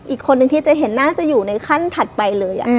อีกคนนึงที่เจ๊เห็นน่าจะอยู่ในขั้นถัดไปเลย